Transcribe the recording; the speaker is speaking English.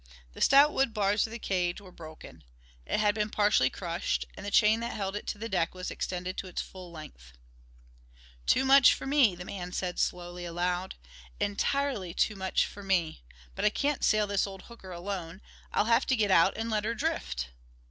The stout wood bars of the cage were broken. It had been partially crushed, and the chain that held it to the deck was extended to its full length. "Too much for me," the man said slowly, aloud; "entirely too much for me! But I can't sail this old hooker alone; I'll have to get out and let her drift."